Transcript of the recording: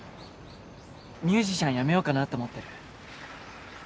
ミュージシャン辞めようかなと思ってる。